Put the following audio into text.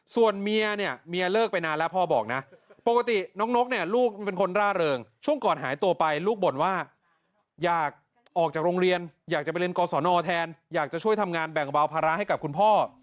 ส่วนเมียเนี่ยเมียเลิกไปนานแล้วพ่อบอกนะปกติน้องนกเนี่ยลูกเป็นคนร่าเริงช่วงก่อนหายตัวไปลูกบ่นว่าอยากออกจากโรงเรียนอยากจะไปเรียนกศนแทนอยากจะช่วยทำงานแบ่งเบาภาระให้กับคุณพ่อ